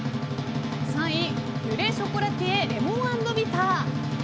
３位、ピュレショコラティエレモン＆ビター。